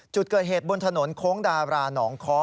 จุดเกิดเหตุบนถนนโค้งดาราหนองค้อ